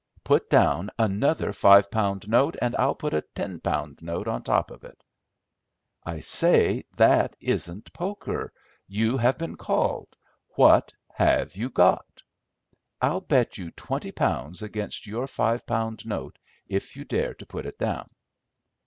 "Put down another five pound note, and I'll put a ten pound note on top of it." "I say that isn't poker. You have been called. What have you got?" "I'll bet you twenty pounds against your five pound note, if you dare put it down."